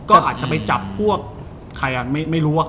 ก็อาจจะไปจับพวกใครไม่รู้ว่า